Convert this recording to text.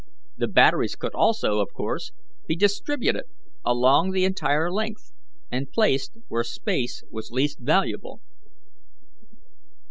The batteries could also, of course, be distributed along the entire length, and placed where space was least valuable.